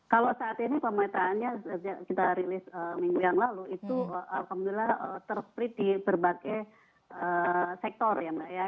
kalau saat ini pemetaannya kita rilis minggu yang lalu itu alhamdulillah ter split di berbagai sektor ya mbak ya